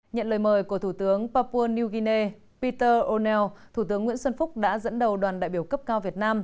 nhận lời mời của thủ tướng papua new guinea peter o neo thủ tướng nguyễn xuân phúc đã dẫn đầu đoàn đại biểu cấp cao việt nam